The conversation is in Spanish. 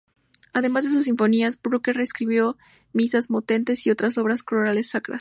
Además de sus sinfonías, Bruckner escribió misas, motetes, y otras obras corales sacras.